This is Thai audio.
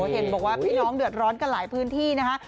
เห็นบอกว่าพี่น้องเดือดร้อนกันหลายพื้นที่นะคะ